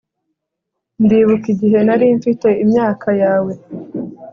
Ndibuka igihe nari mfite imyaka yawe